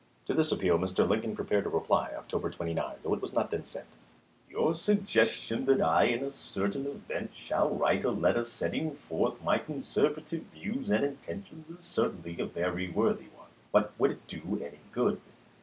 To this appeal Mr. Lincoln prepared a reply, October 29, though it was not then sent: Your suggestion that I in a certain event shall write a letter setting forth my conservative views and inten tions is certainly a very worthy one. But would it do any good